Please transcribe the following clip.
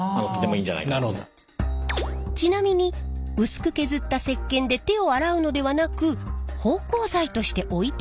ちなみに薄く削った石けんで手を洗うのではなく芳香剤として置いておくという人も。